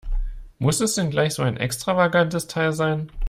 Muss es denn gleich so ein extravagantes Teil sein?